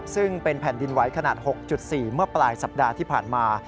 ซึ่งเป็นแผ่นดินไหวขนาด๖๔เมื่อปลายสัปดาห์ที่ผ่านมา